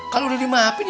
kalau udah dimaafin